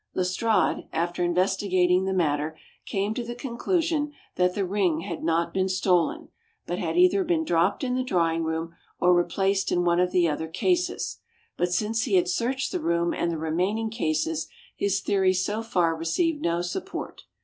Lestrade, after investigating the matter, came to the conclusion that the ring had not been stolen, but had either been dropped in the drawing room, or replaced in one of the other cases; but since he had searched the room and the remaining cases, his theory so far received no support.